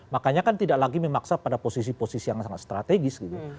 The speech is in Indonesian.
makanya kan tidak lagi memaksa pada posisi posisi yang sangat strategis gitu